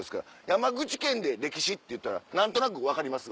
山口県で歴史といったら何となく分かります？